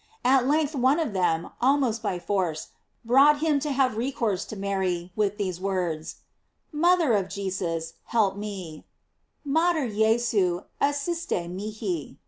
At length one of them, almost by force, brought him to have recourse to Mary, with these words: Mother of Jesus, help me: "Mater Jesu, assiste mihi."